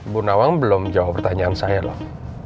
bu nawang belum jawab pertanyaan saya loh